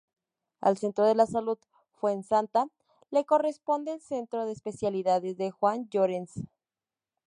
Al Centro de Salud Fuensanta le corresponde el Centro de Especialidades de Juan Llorens.